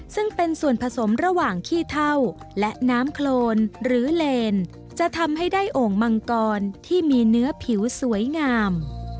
ซึ่งเป็นส่วนผสมระหว่างขี้เท่าและน้ำโครนหรือเลนจะทำให้ได้โอ่งมังกรที่มีเนื้อผิวสวยงาม